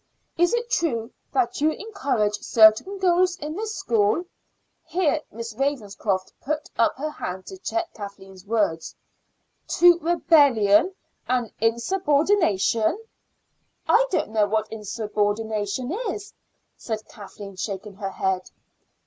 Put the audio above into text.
Is it true that you encourage certain girls in this school" here Miss Ravenscroft put up her hand to check Kathleen's words "to rebellion and insubordination?" "I don't know what insubordination is," said Kathleen, shaking her head.